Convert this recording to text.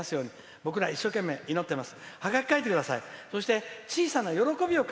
僕ら一生懸命、祈ってます。